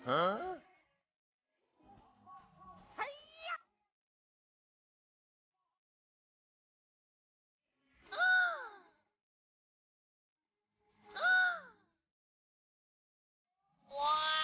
อ้าอ้าว้าว